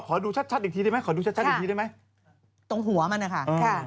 ขอดูชัดอีกทีได้มั้ย